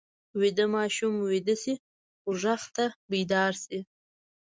ویده ماشومان ویده شي خو غږ ته بیدار شي